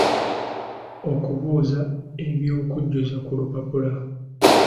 Okubuuza eby’okujjuza ku lupapula.